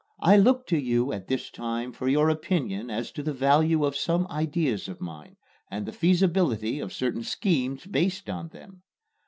I look to you at this time for your opinion as to the value of some ideas of mine, and the feasibility of certain schemes based on them.